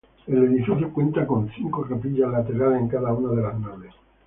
El edificio cuenta con cinco capillas laterales en cada una de las naves.